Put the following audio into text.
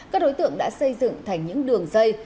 các đối tượng đã xây dựng thành những đường dây